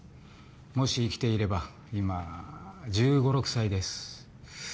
もし生きていれば今１５１６歳です。